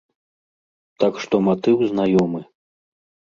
Так што матыў знаёмы.